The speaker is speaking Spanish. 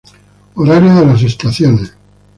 Horario de las estaciones